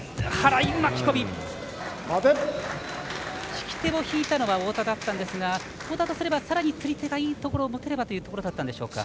引き手を引いたのは太田だったんですが太田とすればさらに釣り手がいいところを持てればというところだったのでしょうか。